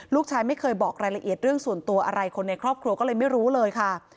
ลูกชายไม่เคยบอกรายละเอียดเรื่องส่วนตัวอะไรคนในครอบครัวก็เลยไม่รู้เลยค่ะ